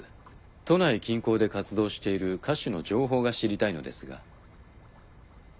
都内近郊で活動している歌手の情報が知りたいのですが。